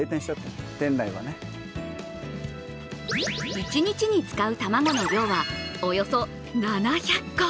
一日に使う卵の量はおよそ７００個。